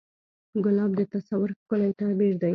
ګلاب د تصور ښکلی تعبیر دی.